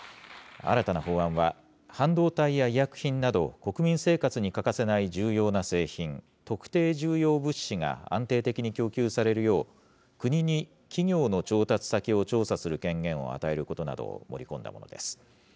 新たな法案は、半導体や医薬品など、国民生活に欠かせない重要な製品、特定重要物資が安定的に供給されるよう、国に企業の調達先を調査する権限を与えることなどを盛り込んだものです。